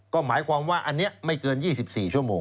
ก็หมายความว่าอันนี้ไม่เกิน๒๔ชั่วโมง